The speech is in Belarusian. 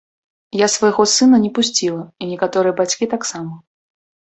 Я свайго сына не пусціла, і некаторыя бацькі таксама.